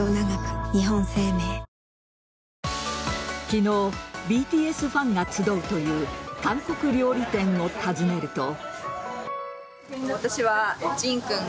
昨日ＢＴＳファンが集うという韓国料理店を訪ねると。